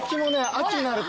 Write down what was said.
秋になると。